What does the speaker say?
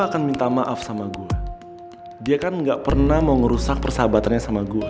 akan minta maaf sama gua dia kan nggak pernah mau ngerusak persahabatannya sama gua